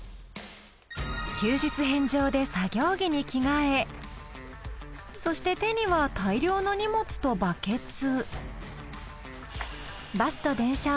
休日返上で作業着に着替えそして手には大量の荷物とバケツ。